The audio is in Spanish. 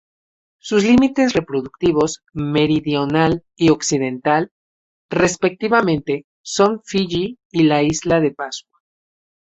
Sus límites reproductivos meridional y occidental, respectivamente, son Fiyi y la isla de Pascua.